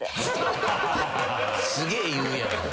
すげえ言うやん。